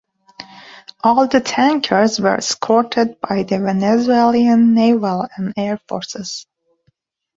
All the tankers were escorted by the Venezuelan naval and air forces.